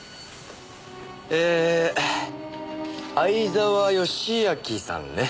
えー相沢良明さんね。